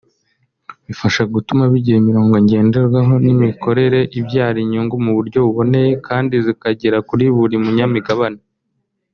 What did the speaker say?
bifasha gutuma bigira imirongo ngenderwaho n’imikorere ibyara inyungu mu buryo buboneye kandi zikagera kuri buri munyamigabane